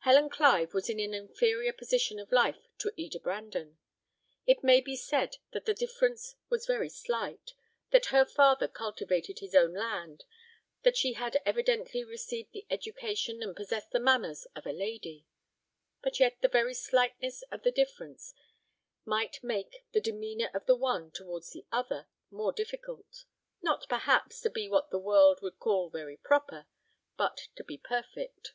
Helen Clive was in an inferior position of life to Eda Brandon. It may be said that the difference was very slight: that her father cultivated his own land; that she had evidently received the education and possessed the manners of a lady; but yet the very slightness of the difference might make the demeanour of the one towards the other more difficult not, perhaps, to be what the world would call very proper, but to be perfect.